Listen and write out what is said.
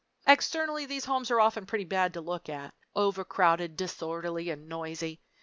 Externally, these homes are often pretty bad to look at overcrowded, disorderly, and noisy.